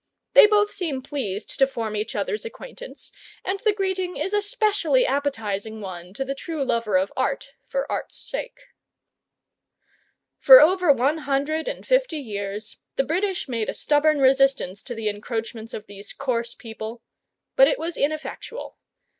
They both seem pleased to form each other's acquaintance, and the greeting is a specially appetizing one to the true lover of Art for Art's sake. For over one hundred and fifty years the British made a stubborn resistance to the encroachments of these coarse people, but it was ineffectual.